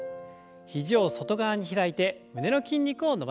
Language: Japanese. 肘を外側に開いて胸の筋肉を伸ばします。